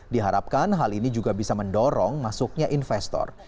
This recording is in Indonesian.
diharapkan hal ini juga bisa mendorong masuknya investor